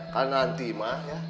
kalian nanti mah ya